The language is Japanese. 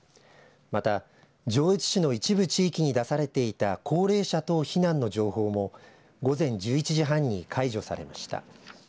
また、上越市の一部地域に出されていた高齢者等避難の情報も午前１１時半に解除されました。